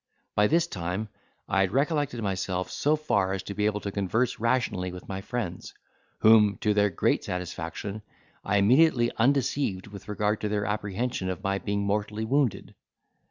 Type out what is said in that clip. By this time I had recollected myself so far as to be able to converse rationally with my friends, whom, to their great satisfaction, I immediately undeceived with regard to their apprehension of my being mortally wounded.